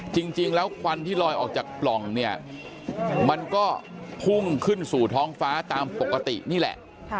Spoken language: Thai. จริงแล้วควันที่ลอยออกจากปล่องเนี่ยมันก็พุ่งขึ้นสู่ท้องฟ้าตามปกตินี่แหละ